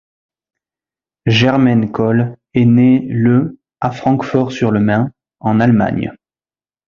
Jermaine Cole est né le à Francfort-sur-le-Main, en Allemagne.